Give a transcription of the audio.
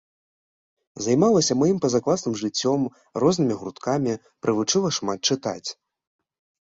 Займалася маім пазакласным жыццём, рознымі гурткамі, прывучыла шмат чытаць.